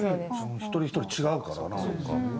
一人ひとり違うからな。